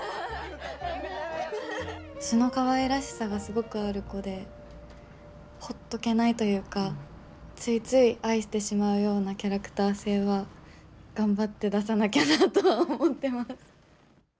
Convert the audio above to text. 素のかわいらしさがすごくある子でほっとけないというかついつい愛してしまうようなキャラクター性は頑張って出さなきゃなとは思ってます。